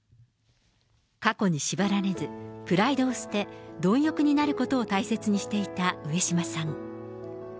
過去に縛られず、プライドを捨て、貪欲になることを大切にしていた上島さん。